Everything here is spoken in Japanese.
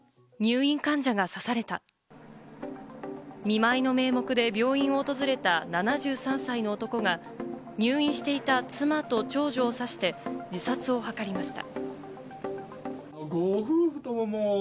見舞いの名目で病院を訪れた７３歳の男が入院していた妻と長女を刺して自殺を図りました。